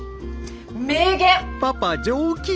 名言！